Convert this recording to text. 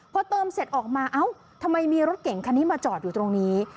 พอเติมเสร็จออกมาเอ้าทำไมมีรถเก่งคันนี้มาจอดอยู่ตรงนี้